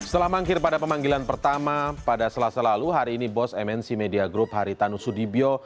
setelah mangkir pada pemanggilan pertama pada selasa lalu hari ini bos mnc media group haritanu sudibyo